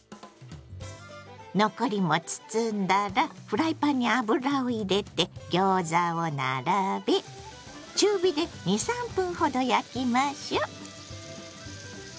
残りも包んだらフライパンに油を入れてギョーザを並べ中火で２３分ほど焼きましょ。